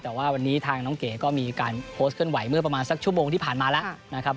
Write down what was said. แต่ว่าวันนี้ทางน้องเก๋ก็มีการโพสต์เคลื่อนไหวเมื่อประมาณสักชั่วโมงที่ผ่านมาแล้วนะครับ